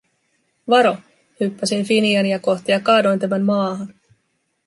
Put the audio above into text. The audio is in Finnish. "Varo", hyppäsin Finiania kohti ja kaadoin tämän maahan.